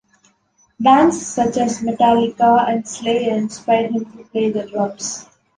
Bands such as Metallica and Slayer inspired him to play the drums.